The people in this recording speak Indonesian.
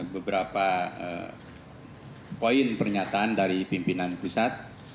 beberapa poin pernyataan dari pimpinan pusat